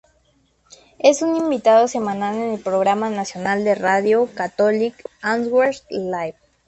Es un invitado semanal en el programa nacional de radio Catholic Answers Live.